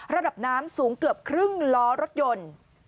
ระดับน้ำสูงเกือบครึ่งล้อรถยนต์